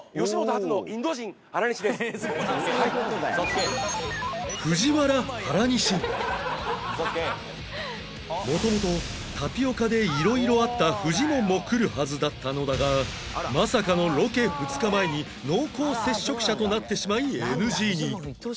「ウソつけ」「ウソつけ」元々タピオカで色々あったフジモンも来るはずだったのだがまさかのロケ２日前に濃厚接触者となってしまい ＮＧ に